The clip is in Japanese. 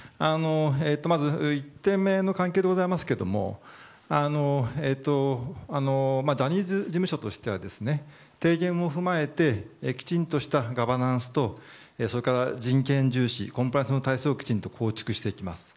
まず１点目の関係でございますがジャニーズ事務所としては提言も踏まえてきちんとしたガバナンスとそれから、人権重視コンプライアンスの構築をきちんと構築していきます。